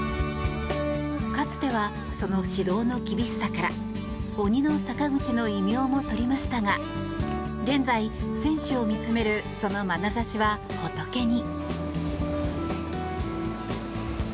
かつてはその指導の厳しさから鬼の阪口の異名も取りましたが現在、選手を見つめるそのまなざしは、仏に。